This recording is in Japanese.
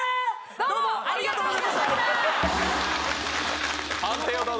どうもありがとうございました判定をどうぞ！